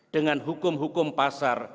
dengan hukum hukum pasar